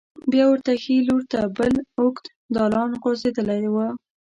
بیا ورته ښې لور ته بل اوږد دالان غوځېدلی و.